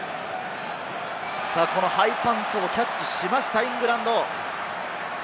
このハイパントをキャッチしました、イングランド。